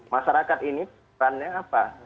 masyarakat ini perannya apa